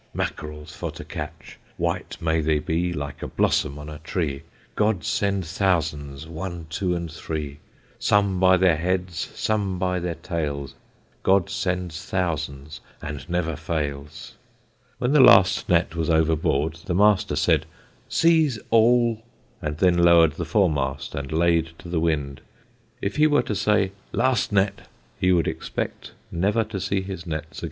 Mackerel for to catch, White may they be, like a blossom on a tree. God send thousands, one, two, and three, Some by their heads, some by their tails, God sends thousands, and never fails. When the last net was overboard the master said, "Seas all!" and then lowered the foremast and laid to the wind. If he were to say, "Last net," he would expect never to see his nets again.